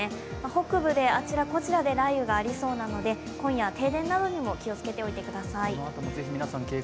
北部であちらこちらで雷雨がありそうなので、今夜、停電などにも気をつけておいてください。